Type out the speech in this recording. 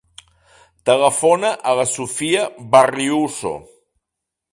Telefona a la Sophia Barriuso.